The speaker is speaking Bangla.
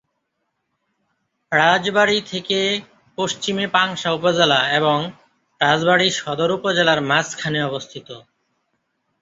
রাজবাড়ী থেকে পশ্চিমে পাংশা উপজেলা এবং রাজবাড়ী সদর উপজেলার মাঝখানে অবস্থিত।